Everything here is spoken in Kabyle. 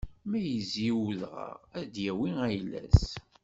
Ma izzi i udɣaɣ, ad d-yawi ayla-s.